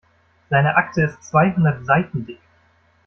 Seine Akte ist zweihundert Seiten dick.